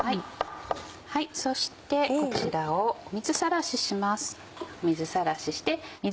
そしてこちらを水さらしします。